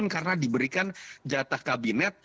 karena diberikan jatah kabinet